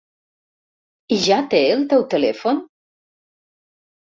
I ja té el teu telèfon?